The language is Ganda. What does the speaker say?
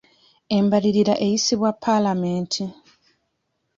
Embalirira eyisibwa paalamenti.